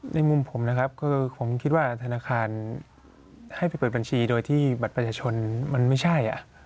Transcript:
มุมผมนะครับคือผมคิดว่าธนาคารให้ไปเปิดบัญชีโดยที่บัตรประชาชนมันไม่ใช่